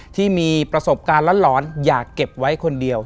ที่มีประสบการณ์หลอนอยากเก็บไว้คนเดียว